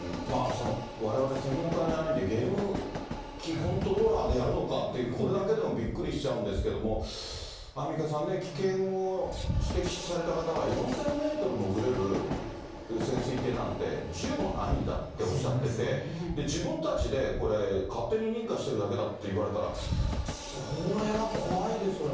われわれ専門家じゃないんで、ゲーム機コントローラーでやるのかっていう、これだけでもびっくりしちゃうんですけども、アンミカさんね、危険を指摘された方は、４０００メートル潜れる潜水艇なんて１０もないんだっておっしゃってて、自分たちでこれ、勝手に認可してるだけだって言われたら、これは怖いですよね。